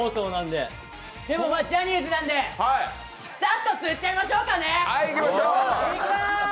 でもジャニーズなんでサッと釣っちゃいましょうかね。